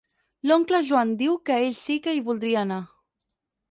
L'oncle Joan diu que ell sí que hi voldria anar.